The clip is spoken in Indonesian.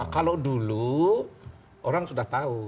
kalau dulu orang sudah tahu